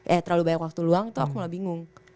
eh terlalu banyak waktu luang tuh aku gak bingung